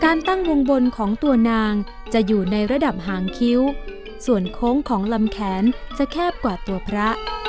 ตั้งวงบนของตัวนางจะอยู่ในระดับหางคิ้วส่วนโค้งของลำแขนจะแคบกว่าตัวพระ